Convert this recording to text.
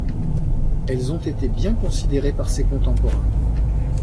Elles ont été bien considérées par ses contemporains.